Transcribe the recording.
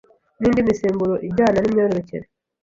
nindi misemburo ijyana n’imyororokere